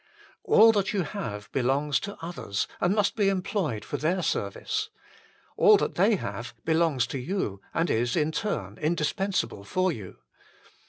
All that you have belongs to others, and must be em ployed for their service. All that they have belongs to you, and is in turn indispensable for you.